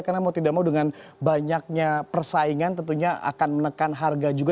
karena mau tidak mau dengan banyaknya persaingan tentunya akan menekan harga juga